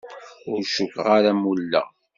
Ur cukkeɣ ara mulleɣ.